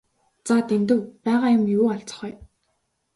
За Дэндэв байгаа юм юу алзах вэ?